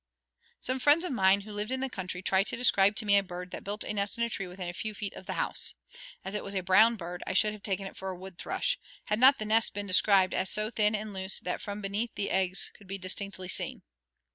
Some friends of mine who lived in the country tried to describe to me a bird that built a nest in a tree within a few feet of the house. As it was a brown bird, I should have taken it for a wood thrush, had not the nest been described as so thin and loose that from beneath the eggs could be distinctly seen.